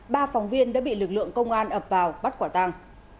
ba phóng viên đã bị lực lượng công an ập vào bắt quả tăng